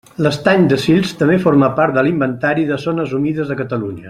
L'Estany de Sils també forma part de l'Inventari de zones humides de Catalunya.